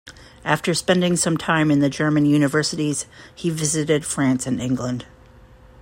After spending some time in the German universities, he visited France and England.